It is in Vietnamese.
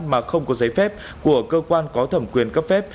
mà không có giấy phép của cơ quan có thẩm quyền cấp phép